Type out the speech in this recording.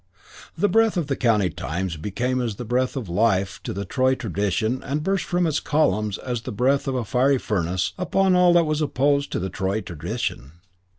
The breath of the County Times became as the breath of life to the Tory tradition and burst from its columns as the breath of a fiery furnace upon all that was opposed to the Tory tradition.